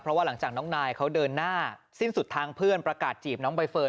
เพราะว่าหลังจากน้องนายเขาเดินหน้าสิ้นสุดทางเพื่อนประกาศจีบน้องใบเฟิร์น